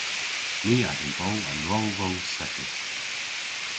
Ni a'gan bo an rol voos settys.